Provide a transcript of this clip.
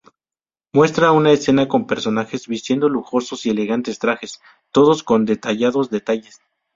Muestra una escena con personajes vistiendo lujosos y elegante trajes, todos con detallados detalles.